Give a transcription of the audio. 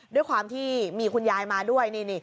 ด้วยความที่มีคุณยายมาด้วย